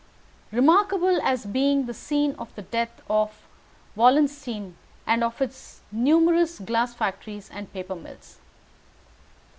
'Remarkable as being the scene of the death of Wallenstein, and for its numerous glass factories and paper mills.'